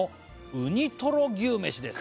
「ウニとろ牛めしです」